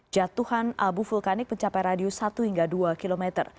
jatuhan abu vulkanik mencapai radius satu hingga dua km